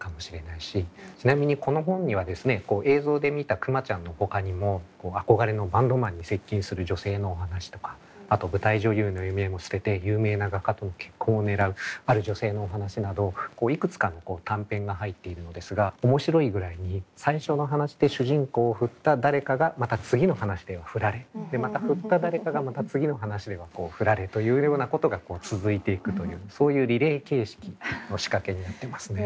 ちなみにこの本にはですね映像で見たくまちゃんのほかにも憧れのバンドマンに接近する女性のお話とかあと舞台女優の夢も捨てて有名な画家との結婚を狙うある女性のお話などいくつかの短編が入っているのですが面白いぐらいに最初の話で主人公を振った誰かがまた次の話では振られまた振った誰かがまた次の話では振られというようなことが続いていくというそういうリレー形式の仕掛けになってますね。